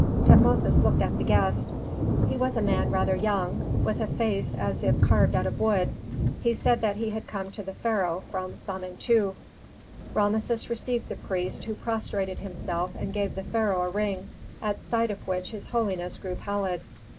Tutmosis looked at the guest. He was a man rather young, with a face as if carved out of wood. He said that he had come to the pharaoh from Samentu. Rameses received the priest, who prostrated himself and gave the pharaoh a ring, at sight of which his holiness grew pallid.